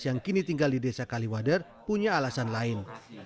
yang kini tinggal di desa kaliwader punya alasan lain